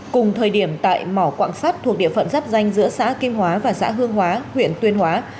cùng thời điểm tại mỏ quạng sắt thuộc địa phận giáp danh giữa xã kim hóa và xã hương hóa huyện tuyên hóa